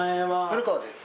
古川です。